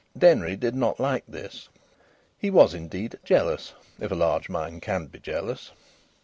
Denry did not like this. He was indeed jealous, if a large mind can be jealous.